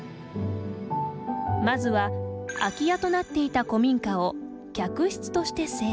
まずは空き家となっていた古民家を客室として整備。